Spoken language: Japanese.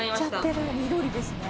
緑ですね。